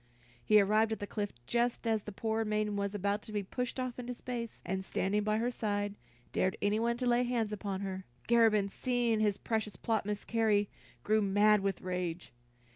He arrived at the cliff just as the poor maiden was about to be pushed off into space, and standing by her side, dared anyone to lay hands upon her. Garabin, seeing his precious plot miscarry, grew mad with rage.